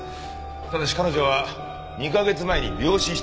ただし彼女は２カ月前に病死しております。